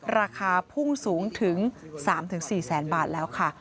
ราคาพุ่งสูงถึง๓๔แสนบาทแล้วค่ะ